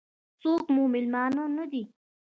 څوک مو مېلمانه دي؟